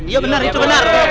iya benar itu benar